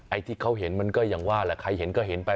ไอ้ที่เขาเห็นมันก็ยังว่าล่ะใครเห็นก็เห็นไป